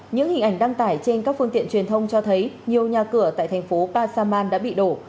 những hình ảnh đăng tải trên các phương tiện truyền thông cho thấy nhiều nhà cửa tại thành phố pasaman đã bị đổ